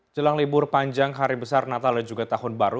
jelang libur panjang hari besar natal dan juga tahun baru